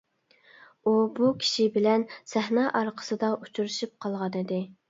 ئۇ بۇ كىشى بىلەن سەھنە ئارقىسىدا ئۇچرىشىپ قالغانىدى.